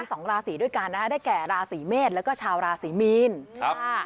สองราศีด้วยกันนะคะได้แก่ราศีเมษแล้วก็ชาวราศีมีนครับค่ะ